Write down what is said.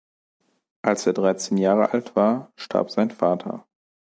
Als er dreizehn Jahre alt war, starb sein Vater.